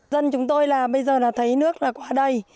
dân chúng tôi bây giờ thấy nước là quá đầy